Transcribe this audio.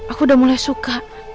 aku udah mulai suka